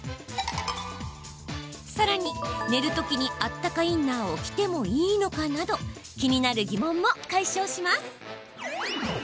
さらに、寝るときにあったかインナーを着てもいいのかなど気になる疑問も解消します。